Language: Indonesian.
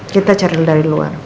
kita cari dari luar